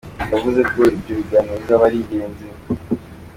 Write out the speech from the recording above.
Yavuze ko ibyo biganiro bizaba ari ingenzi.